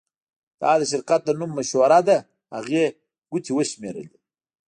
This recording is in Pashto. دا د شرکت د نوم مشوره ده هغې ګوتې وشمیرلې